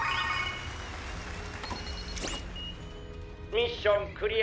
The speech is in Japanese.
ミッションクリア！